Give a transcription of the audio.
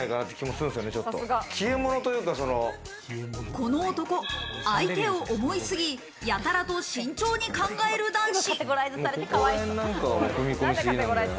この男、相手を思いすぎ、やたらと慎重に考える男子。